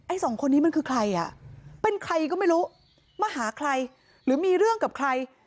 สองคนนี้มันคือใครอ่ะเป็นใครก็ไม่รู้มาหาใครหรือมีเรื่องกับใคร